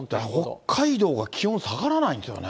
北海道が気温下がらないんですよね。